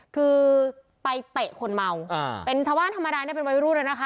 คือไปเตะคนเมาเป็นชาวบ้านธรรมดาเนี่ยเป็นวัยรุ่นแล้วนะคะ